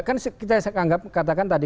kan kita anggap katakan tadi